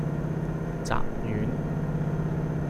雜丸